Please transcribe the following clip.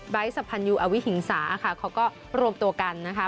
สัมพันยูอวิหิงสาค่ะเขาก็รวมตัวกันนะคะ